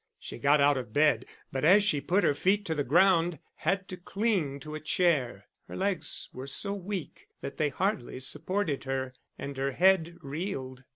She got out of bed, but as she put her feet to the ground, had to cling to a chair; her legs were so weak that they hardly supported her, and her head reeled.